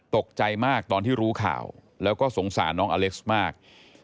ตกใจมากตอนที่รู้ข่าวแล้วก็สงสารน้องอเล็กซ์มาก